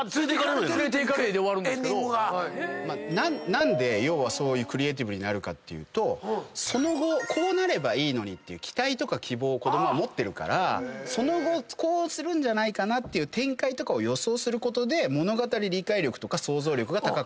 何で要はそういうクリエイティブになるかっていうとその後こうなればいいのにっていう期待とか希望を子供は持ってるからその後こうするんじゃないかなという展開とかを予想することで物語理解力とか想像力が高くなる。